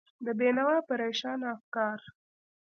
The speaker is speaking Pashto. د بېنوا پرېشانه افکار